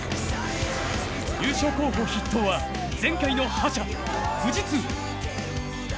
優勝候補筆頭は前回の覇者・富士通。